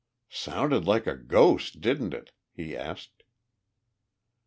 "Sounded like a ghost, didn't it?" he asked.